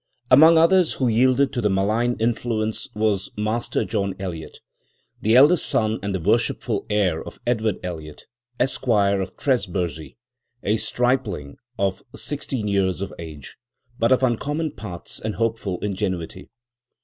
"Among others who yielded to the malign influence was Master John Eliot, the eldest son and the worshipful heir of Edward Eliot, Esquire of Trebursey, a stripling of sixteen years of age, but of uncommon parts and hopeful ingenuity.